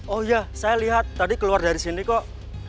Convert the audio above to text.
oh iya saya lihat tadi keluar dari sini kok